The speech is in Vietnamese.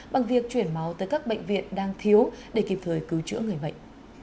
bằng việc chuyển máu tới các bệnh viện đang thiếu để kịp thời cứu chữa người bệnh